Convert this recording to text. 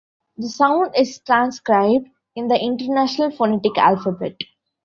The sound is transcribed in the International Phonetic Alphabet.